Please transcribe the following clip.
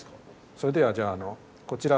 それではじゃあこちら。